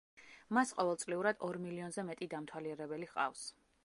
მას ყოველწლიურად ორ მილიონზე მეტი დამთვალიერებელი ჰყავს.